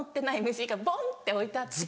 虫がボン！って置いてあって。